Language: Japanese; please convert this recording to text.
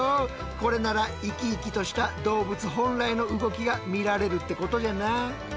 これなら生き生きとした動物本来の動きが見られるってことじゃな。